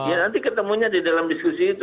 ya nanti ketemunya di dalam diskusi itu